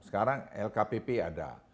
sekarang lkpp ada